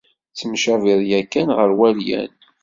Tettemcabiḍ yakan ɣer walyan.